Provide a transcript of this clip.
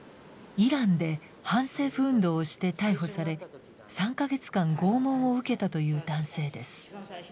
イランで反政府運動をして逮捕され３か月間拷問を受けたという男性です。